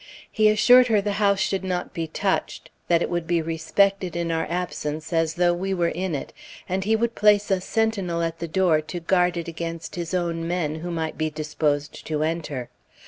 He assured her the house should not be touched, that it would be respected in our absence as though we were in it, and he would place a sentinel at the door to guard it against his own men who might be disposed to enter.